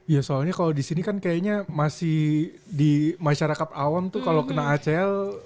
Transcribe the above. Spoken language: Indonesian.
ya soalnya kalau di sini kan kayaknya masih di masyarakat awam tuh kalau kena acl